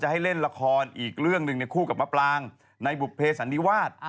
ให้เล่นละครอีกเรื่องหนึ่งในคู่กับมะปรางในบุภเพสันนิวาส